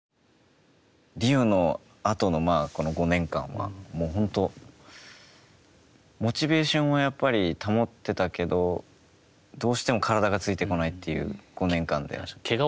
リオのあとのこの５年間はもう本当モチベーションはやっぱり保ってたけどどうしても体がついてこないという５年間で。